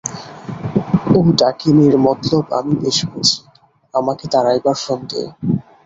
ও ডাকিনীর মৎলব আমি বেশ বুঝি, আমাকে তাড়াইবার ফন্দি!